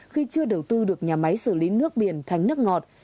khi chưa đầu tư được nhà máy xử lý nước biển thành nước ngọt